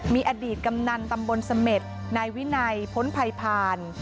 มีอดีตกำนันตำบลเสม็ดนายวินัยพ้นภัยผ่าน